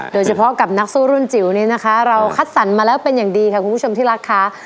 โดยเฉพาะกับนักสู้รุ่นจิ๋วนี้นะคะเราคัดสรรมาแล้วเป็นอย่างดีค่ะคุณผู้ชมที่รักค่ะ